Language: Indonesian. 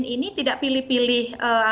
ini tidak pilih pilih